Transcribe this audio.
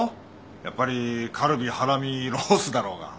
やっぱりカルビハラミロースだろうが。